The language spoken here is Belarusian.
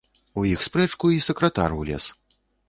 У іх спрэчку й сакратар улез.